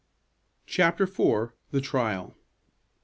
CHAPTER IV. THE TRIAL.